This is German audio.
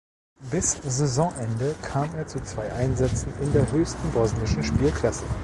Bis Saisonende kam er zu zwei Einsätzen in der höchsten bosnischen Spielklasse.